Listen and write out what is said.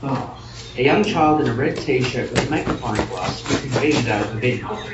A young child in a red tshirt with a magnifying glass scooping beans out of a bin.